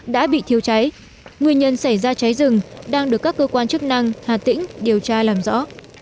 đã bị thiêu cháy nguyên nhân xảy ra cháy rừng đang được các cơ quan chức năng hà tĩnh điều tra làm rõ